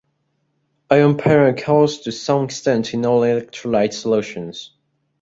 Ion pairing occurs to some extent in all electrolyte solutions.